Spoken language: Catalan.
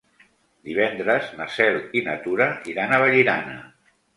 Divendres na Cel i na Tura iran a Vallirana.